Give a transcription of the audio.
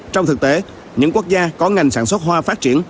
trong thực tế những quốc gia có ngành sản xuất hoa phát triển